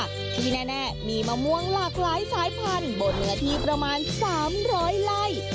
ที่แน่มีมะม่วงหลากหลายสายพันธุ์บนเนื้อที่ประมาณ๓๐๐ไร่